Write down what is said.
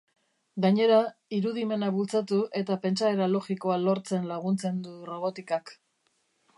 Gainera, irudimena bultzatu eta pentsaera logikoa lortzen laguntzen du robotikak.